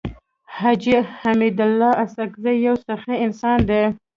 حاجي حميدالله اسحق زی يو سخي انسان دی.